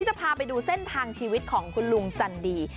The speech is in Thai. จะพาไปดูเส้นทางชีวิตของคุณลุงจันดี